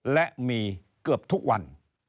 และมีเกือบทุกวัน